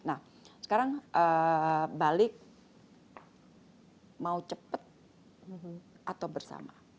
nah sekarang balik mau cepat atau bersama